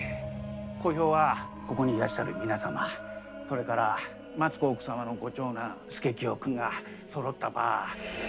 公表はここにいらっしゃる皆様それから松子奥様のご長男佐清君がそろった場。